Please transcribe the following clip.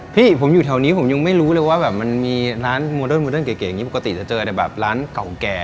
พี่ผมอยู่แถวนี้ผมยังไม่รู้เลยว่าแบบมันมีร้านโมเดิร์โมเดิร์เก๋อย่างนี้ปกติจะเจอแต่แบบร้านเก่าแก่